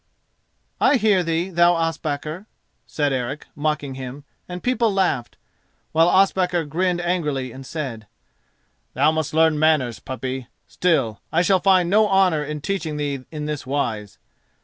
"I hear thee, thou Ospakar," said Eric, mocking him, and people laughed; while Ospakar grinned angrily and said, "Thou must learn manners, puppy. Still, I shall find no honour in teaching thee in this wise.